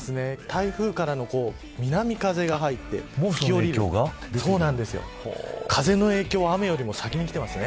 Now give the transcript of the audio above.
台風からの南風が入って風の影響が雨よりも先にきています。